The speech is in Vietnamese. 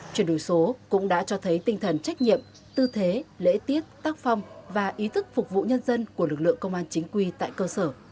chuyển đổi số cũng đã cho thấy tinh thần trách nhiệm tư thế lễ tiết tác phong và ý thức phục vụ nhân dân của lực lượng công an chính quy tại cơ sở